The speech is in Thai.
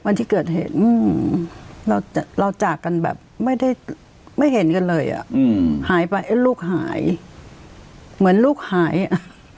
วันที่เกิดเหตุเราจากกันแบบไม่ได้ไม่เห็นกันเลยอะหายไปลูกหายเหมือนลูกหายอะ